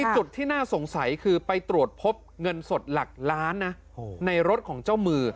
จุดที่น่าสงสัยคือไปตรวจพบเงินสดหลักล้านนะในรถของเจ้ามือ